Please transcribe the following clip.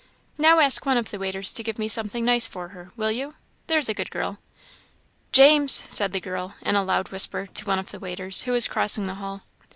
Now ask one of the waiters to give me something nice for her, will you? there's a good girl." "James!" said the girl, in a loud whisper to one of the waiters, who was crossing the hall.